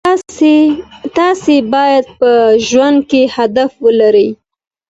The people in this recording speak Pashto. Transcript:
تاسي باید په ژوند کي هدف ولرئ.